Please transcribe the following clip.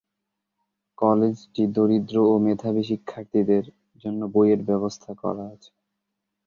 কলেজটি দরিদ্র ও মেধাবী শিক্ষার্থীদের জন্য বইয়ের ব্যবস্থা করা আছে।